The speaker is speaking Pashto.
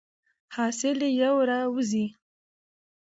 حاصل یې یو را وزي.